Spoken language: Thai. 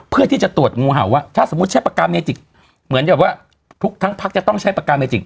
เพื่อที่จะตรวจงูเห่าว่าถ้าสมมุติใช้ปากกาเมจิกเหมือนแบบว่าทุกทั้งพักจะต้องใช้ปากกาเมจิก